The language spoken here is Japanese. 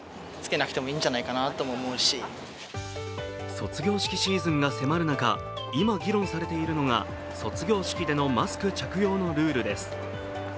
卒業式シーズンが迫る中、今、議論されているのが卒業式でのマスク着用のルールです。